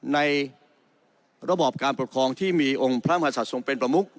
ในระบอบการปกครองที่มีองค์พระมหาศัตว์ทรงเป็นประมุก